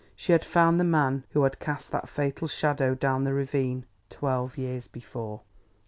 She had found the man who had cast that fatal shadow down the ravine, twelve years before.